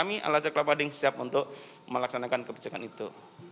belajar kelompok a di hari ini siap untuk melaksanakan kebijakan itu